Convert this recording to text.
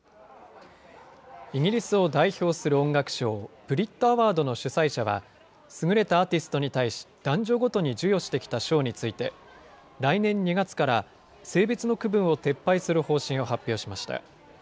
イギリスを代表する音楽賞、ブリット・アワードの主催者は、優れたアーティストに対し、男女ごとに授与してきた賞について、来年２月から、性別の区分を撤廃する方針を発表しました。